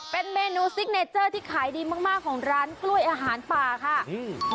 เป็นเมนูซิกเนเจอร์ที่ขายดีมากมากของร้านกล้วยอาหารป่าค่ะอืม